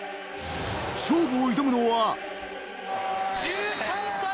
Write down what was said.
勝負を挑むのは。